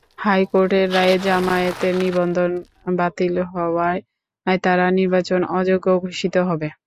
হাইকোর্টের রায়ে জামায়াতের নিবন্ধন বাতিল হওয়ায় তারা নির্বাচনে অযোগ্য ঘোষিত হবে।